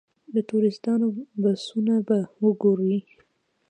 د ټوریسټانو بسونه به وګورئ.